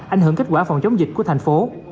ảnh hưởng kết quả phòng chống dịch của thành phố